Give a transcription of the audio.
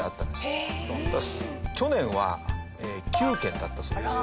ただ去年は９件だったそうです。